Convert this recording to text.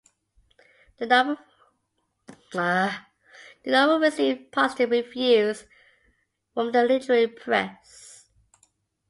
The novel received positive reviews from the literary press.